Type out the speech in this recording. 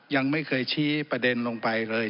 ยังไม่เคยชี้ประเด็นลงไปเลย